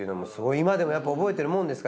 今でもやっぱ覚えてるもんですか？